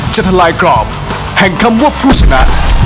ทลายกรอบแห่งคำว่าผู้ชนะ